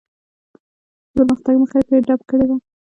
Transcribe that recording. د پرمختګ مخه یې پرې ډپ کړې وه.